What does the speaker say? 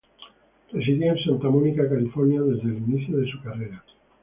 Residía en Santa Mónica California desde el inicio de su carrera.